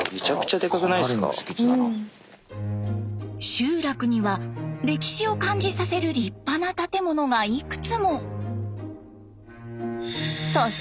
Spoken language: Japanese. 集落には歴史を感じさせる立派な建物がいくつも。